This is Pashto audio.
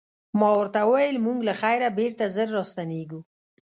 ما ورته وویل موږ له خیره بېرته ژر راستنیږو.